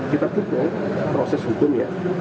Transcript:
kita dukung proses hukum ya